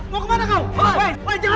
mau kemana kau jalan